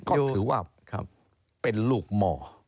ก็ถือว่าเป็นลูกหม้อ